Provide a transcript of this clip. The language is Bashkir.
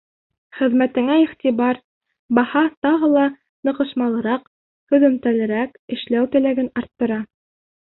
Хеҙмәтеңә иғтибар, баһа тағы ла ныҡышмалыраҡ, һөҙөмтәлерәк эшләү теләген арттыра.